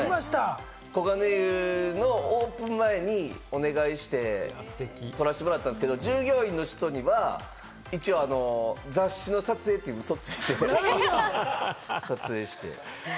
黄金湯のオープン前にお願いして撮らせてもらったんですけど、従業員の人には一応、雑誌の撮影ってウソついてて、撮影して。